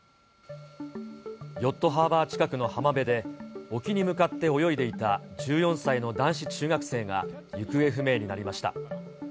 ヨットハーバー近くの浜辺で、沖に向かって泳いでいた１４歳の男子中学生が行方不明になりました。